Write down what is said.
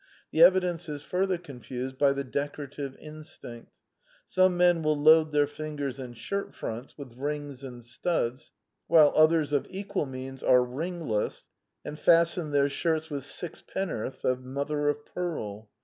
The evidence is further confused by the decorative instinct: some men will load their fingers and shirt fronts with rings and studs, whilst others of equal means are ringless and fasten their shirts with sixpen north of mother of pearl.